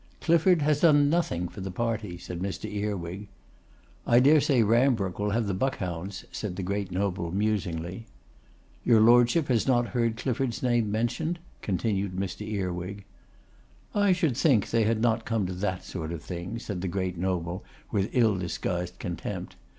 'Clifford has done nothing for the party,' said Mr. Earwig. 'I dare say Rambrooke will have the Buckhounds,' said the great noble, musingly. 'Your Lordship has not heard Clifford's name mentioned?' continued Mr. Earwig. 'I should think they had not come to that sort of thing,' said the great noble, with ill disguised contempt.